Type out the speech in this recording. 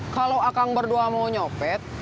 kalau akang berdua mau nyopet